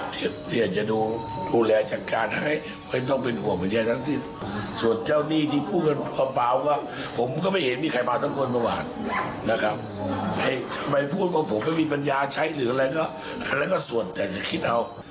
ทำไมพูดว่าผมไม่มีปัญญาใช้หรืออะไรก็แล้วก็ส่วนแต่จะคิดเอา